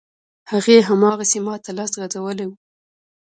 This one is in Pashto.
هغې، هماغسې ماته لاس غځولی و.